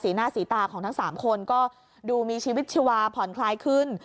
หน้าสีตาของทั้ง๓คนก็ดูมีชีวิตชีวาผ่อนคลายขึ้น